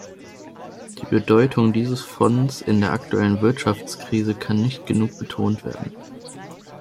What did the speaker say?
Die Bedeutung dieses Fonds in der aktuellen Wirtschaftskrise kann nicht genug betont werden.